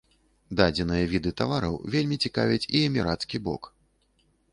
Дадзеныя віды тавараў вельмі цікавяць і эмірацкі бок.